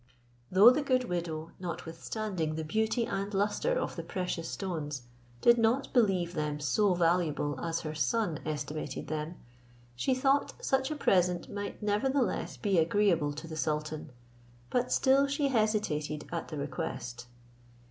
Though the good widow, notwithstanding the beauty and lustre of the precious stones, did not believe them so valuable as her son estimated them, she thought such a present might nevertheless be agreeable to the sultan, but still she hesitated at the request.